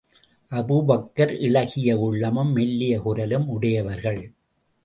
Abu Bakr இளகிய உள்ளமும், மெல்லிய குரலும் உடையவர்கள்.